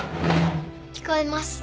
聞こえます。